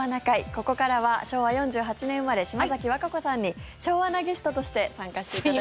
ここからは昭和４８年生まれ島崎和歌子さんに昭和なゲストとして参加していただきます。